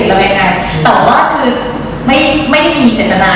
เราเข้ากล้องใช้มันจริงหรือเปล่า